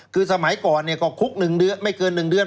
คือสมัยก่อนเนี่ยก็คุกไม่เกิน๑เดือน